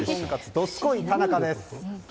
どすこい田中です。